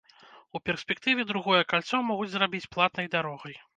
У перспектыве другое кальцо могуць зрабіць платнай дарогай.